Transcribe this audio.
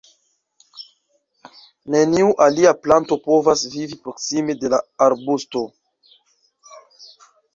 Neniu alia planto povas vivi proksime de la arbusto.